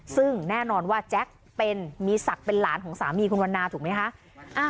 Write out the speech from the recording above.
ซึ่งแน่นอนว่าแจ็คเป็นมีศักดิ์เป็นหลานของสามีคุณวันนาถูกไหมคะ